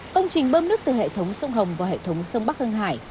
công trình bơm nước từ hệ thống sông hồng vào hệ thống sông bắc hưng hải